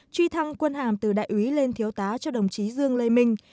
truy thăng quân hàm từ đại úy lên thiếu tá cho đồng chí dương lê minh